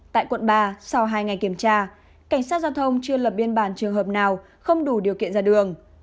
tại quận ba sau hai ngày kiểm tra cảnh sát giao thông chưa lập biên bản trường hợp nào không đủ điều kiện ra đường